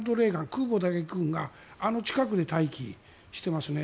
空母があの近くで待機していますね。